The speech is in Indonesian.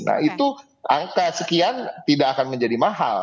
nah itu angka sekian tidak akan menjadi mahal